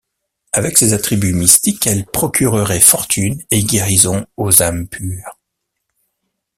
Avec ses attributs mystiques, elles procureraient fortune et guérison aux âmes pures.